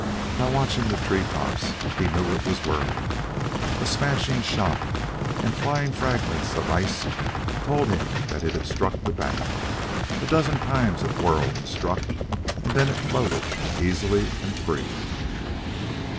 By watching the tree tops he knew it was whirling. A smashing shock and flying fragments of ice told him that it had struck the bank. A dozen times it whirled and struck, and then it floated easily and free.